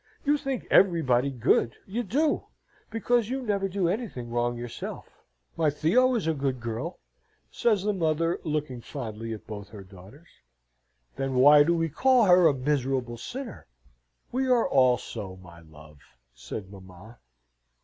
You think everybody good, you do, because you never do anything wrong yourself." "My Theo is a good girl," says the mother, looking fondly at both her daughters. "Then why do we call her a miserable sinner?" "We are all so, my love," said mamma.